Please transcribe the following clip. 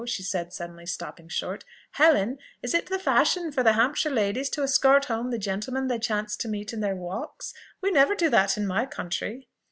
she said, suddenly stopping short. "Helen! is it the fashion for the Hampshire ladies to escort home the gentlemen they chance to meet in their walks? We never do that in my country."